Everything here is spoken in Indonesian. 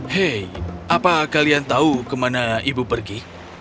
hei apa kalian tahu kemana ibu pergi